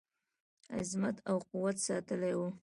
عظمت او قوت ساتلی وو.